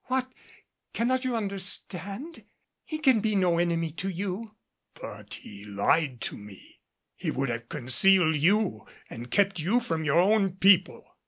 What! Cannot you understand? He can be no enemy to you " "But he lied to me! He would have concealed you and kept you from your own people."